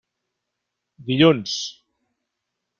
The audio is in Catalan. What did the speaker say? Dilluns.